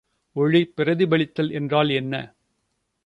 ஒளி பிரதிபலித்தல் என்றால் என்ன?